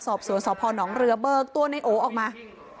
สอบสวนสพนเรือเบิกตัวในโอออกมา